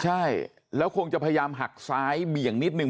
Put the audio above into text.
ใช่แล้วคงจะพยายามหักซ้ายเบี่ยงนิดนึง